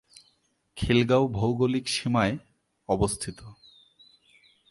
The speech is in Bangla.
খিলগাঁও ভৌগোলিক সীমায় অবস্থিত।